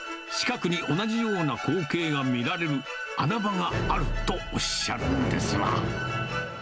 近くに同じような光景が見られる穴場があるとおっしゃるんですわ。